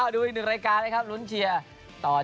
ดูอีกหนึ่งรายการเลยครับรุ้นเชียร์